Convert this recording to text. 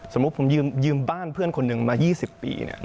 สมมุติผมยืมบ้านเพื่อนคนหนึ่งมา๒๐ปี